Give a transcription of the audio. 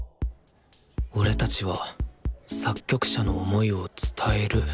俺たちは作曲者の想いを伝えるか。